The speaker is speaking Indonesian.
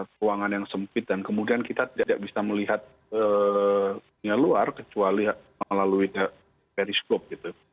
ruangan yang sempit dan kemudian kita tidak bisa melihatnya luar kecuali melalui periskop gitu